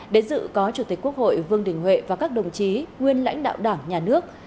đến dự có chủ tịch quốc hội vương đình huệ và các đồng chí nguyên lãnh đạo đảng nhà nước